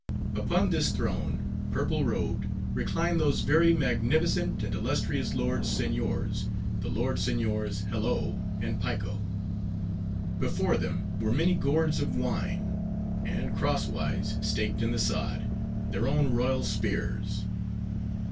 Upon this throne, purple robed, reclined those very magnificent and illustrious lords seigniors, the lord seigniors Hello and Piko. Before them, were many gourds of wine; and crosswise, staked in the sod, their own royal spears.